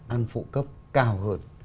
ăn phụ cấp cao hơn